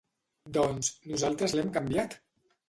Doncs, nosaltres l’hem canviat!